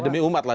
eh demi umat lah